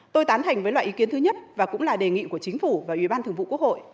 tôi tán thành với loại ý kiến thứ nhất và cũng là đề nghị của chính phủ và ủy ban thường vụ quốc hội